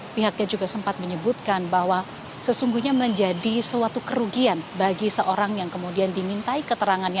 pihaknya juga sempat menyebutkan bahwa sesungguhnya menjadi suatu kerugian bagi seorang yang kemudian dimintai keterangannya